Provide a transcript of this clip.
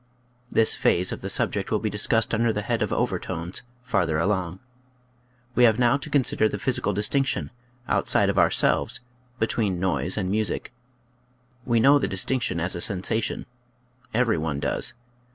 This phase of the subject will be discussed under the head of overtones, farther along. We have now to consider the physical distinction — outside of ourselves — between noise and music : we know the distinction as a sensation ; every one does.